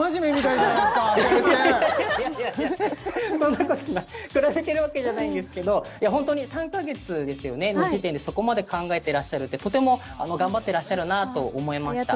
いやいやいやそんなことない比べてるわけじゃないんですけどいや本当に３か月の時点でそこまで考えてらっしゃるってとても頑張ってらっしゃるなと思いました